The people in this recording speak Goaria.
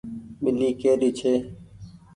ٻلي ڪي ري ڇي۔